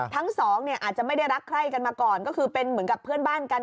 ทั้งสองเนี่ยอาจจะไม่ได้รักใคร่กันมาก่อนก็คือเป็นเหมือนกับเพื่อนบ้านกัน